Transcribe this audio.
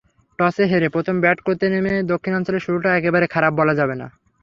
টসে হেরে প্রথমে ব্যাট করতে নেমে দক্ষিণাঞ্চলের শুরুটা একেবারে খারাপ বলা যাবে না।